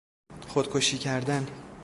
خودکشی کردن